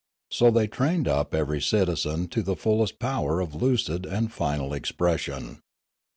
So they trained up every citizen to the fullest power of lucid and final ex pression.